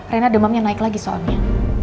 rena demamnya naik lagi soalnya